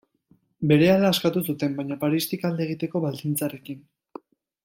Berehala askatu zuten, baina Paristik alde egiteko baldintzarekin.